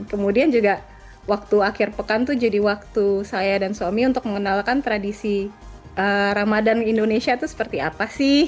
kemudian juga waktu akhir pekan tuh jadi waktu saya dan suami untuk mengenalkan tradisi ramadan indonesia itu seperti apa sih